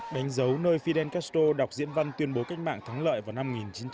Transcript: đánh dấu nơi fidel castro đọc diễn văn tuyên bố cách mạng thắng lợi vào năm một nghìn chín trăm bốn mươi năm